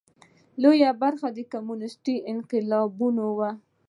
لویه برخه یې کمونېستي انقلابیون وو.